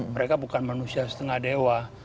mereka bukan manusia setengah dewa